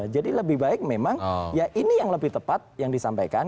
jadi lebih baik memang ya ini yang lebih tepat yang disampaikan